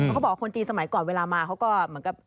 เขาบอกว่าคนจีนสมัยก่อนเวลามาเขาก็เหมือนกับ